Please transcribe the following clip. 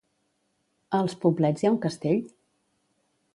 A els Poblets hi ha un castell?